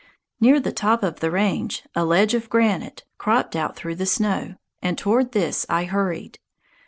Near the top of the range a ledge of granite cropped out through the snow, and toward this I hurried.